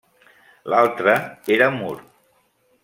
L'altre era Mur.